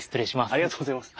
ありがとうございます。